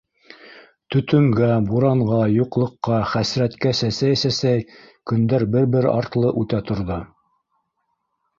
Төтөнгә, буранға, юҡлыҡҡа, хәсрәткә сәсәй-сәсәй көндәр бер-бер артлы үтә торҙо.